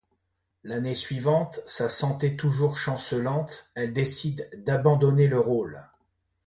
L'année suivante, sa santé toujours chancelante, elle décide d'abandonner le rôle.